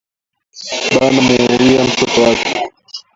Bana muuwiya mtoto kwake